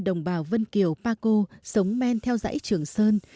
đồng bào vân kiều pa co sống men theo dãy trường sơn